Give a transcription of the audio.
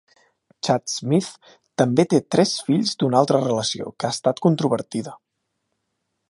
Chad Smith també té tres fills d'una altra relació, que ha estat controvertida.